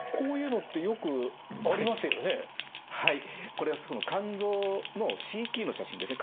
これは肝臓のＣＴの写真ですね。